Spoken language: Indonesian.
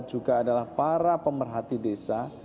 juga adalah para pemerhati desa